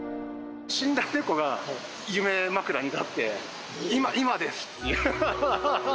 死んだ猫が、夢枕に立って、今、今ですって。